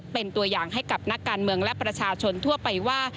เป็นตัวอย่างให้กับนักการเมืองและประชาชนทั่วไปว่า